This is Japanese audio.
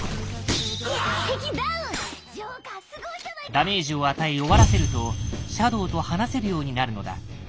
ダメージを与え弱らせるとシャドウと話せるようになるのだ。